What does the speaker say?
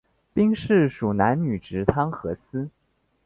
兵事属南女直汤河司。